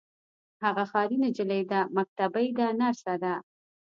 هغه ښاري نجلۍ ده مکتبۍ ده نرسه ده.